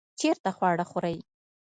چیرته خواړه خورئ؟